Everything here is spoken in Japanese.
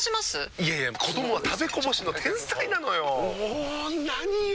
いやいや子どもは食べこぼしの天才なのよ。も何よ